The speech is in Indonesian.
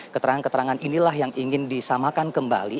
keterangan keterangan inilah yang ingin disamakan kembali